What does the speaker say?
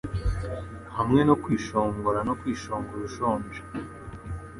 Hamwe no kwishongora no kwishongora ushonje